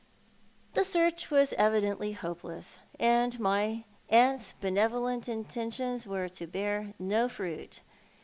The search was evidently hoiie'es :, and my aunt's benevolent intentions were to bear no fruit.